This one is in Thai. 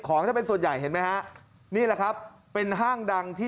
จะเป็นส่วนใหญ่เห็นไหมฮะนี่แหละครับเป็นห้างดังที่